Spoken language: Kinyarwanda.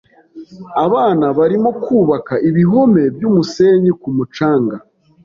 Abana barimo kubaka ibihome byumusenyi ku mucanga.